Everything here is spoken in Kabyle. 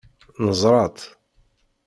Neẓra-tt.